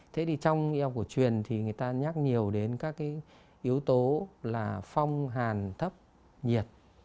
thế thì trong yêu của truyền thì người ta nhắc nhiều đến các cái yếu tố là phong hàn thấp nhiệt